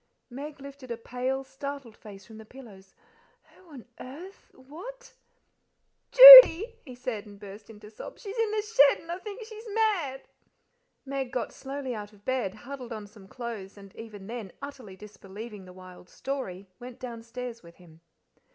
Meg lifted a pale, startled face from the pillows. "Who on earth what " "Judy," he said, and burst into excited sobs. "She's in the shed, and I think she's mad!" Meg got slowly out of bed, huddled on some clothes, and even then utterly disbelieving the wild story, went downstairs with him.